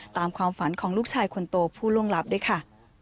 ตามความฝันของลูกชายคนโตผู้ล่วงลับด้วยค่ะ